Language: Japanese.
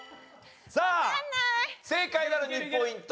さあ正解なら２ポイント